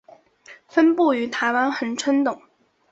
分布于台湾恒春等。